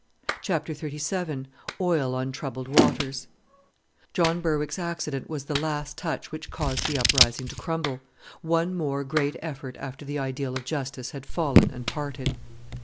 CHAPTER XXXVII OIL ON TROUBLED WATERS John Berwick's accident was the last touch which caused the uprising to crumble. One more great effort after the ideal of justice had fallen and parted.